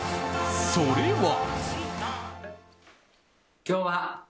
それは。